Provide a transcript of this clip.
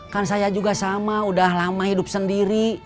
kan saya juga sama udah lama hidup sendiri